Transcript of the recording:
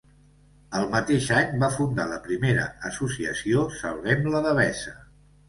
El mateix any, va fundar la primera associació Salvem la Devesa.